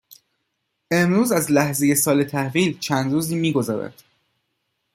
امروز از لحظه سال تحویل چند روزی میگذرد.